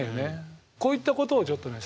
こういったことをちょっとね